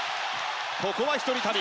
ここは一人旅